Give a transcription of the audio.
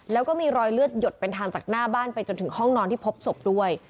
แล้วก็มีรอยเลือดหยดเป็นทางจากหน้าบ้านไปจนถึงห้องนอนที่พบศพด้วย